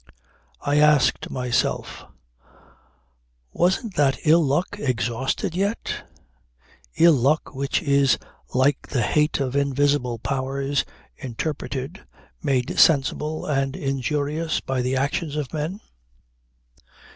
I asked myself: wasn't that ill luck exhausted yet? Ill luck which is like the hate of invisible powers interpreted, made sensible and injurious by the actions of men?